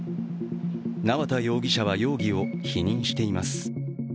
縄田容疑者は容疑を否認しています。